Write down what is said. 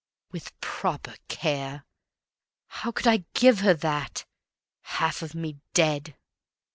"With proper care" how could I give her that, Half of me dead?